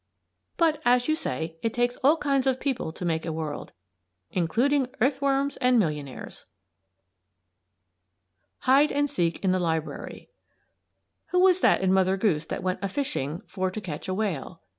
But, as you say, it takes all kinds of people to make a world; including earthworms and millionaires! HIDE AND SEEK IN THE LIBRARY Who was that in Mother Goose that went a fishing "for to catch a whale"?